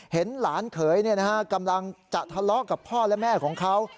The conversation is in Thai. เห็นหลานเขยกำลังจะทะเลาะกับพ่อและแม่ของเขา